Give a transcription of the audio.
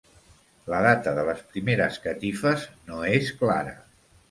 La data de les primeres catifes no és clara.